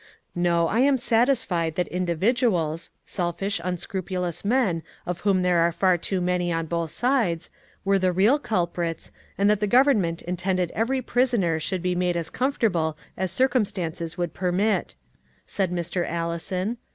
"No; I am satisfied that individuals selfish, unscrupulous men of whom there were far too many on both sides, were the real culprits, and that the government intended every prisoner should be made as comfortable as circumstances would permit," said Mr. Allison.